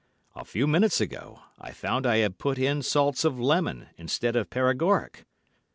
A few minutes ago, I found I had put in salts of lemon instead of paregoric.